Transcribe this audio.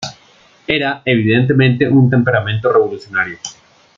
Era, evidentemente, un temperamento revolucionario.